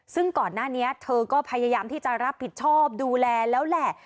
ซึ่งก่อนหน้านี้เธอก็พยายามที่จะรับผิดชอบดูแลแล้วแหละ